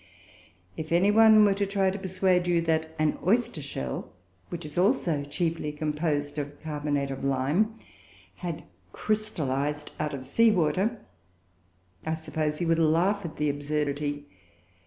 If any one were to try to persuade you that an oyster shell (which is also chiefly composed of carbonate of lime) had crystallized out of sea water, I suppose you would laugh at the absurdity.